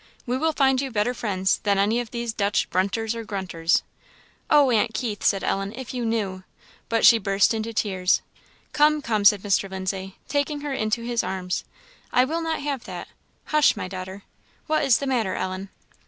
We will find you better friends than any of these Dutch Brunters or Grunters." "Oh, aunt Keith!" said Ellen, "if you knew" But she burst into tears. "Come, come," said Mr. Lindsay, taking her into his arms, "I will not have that. Hush, my daughter. What is the matter, Ellen?"